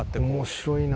「面白いな」